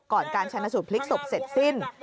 ก่อนการชันสูตรพลิกศพเสร็จสิ้น